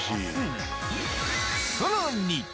さらに。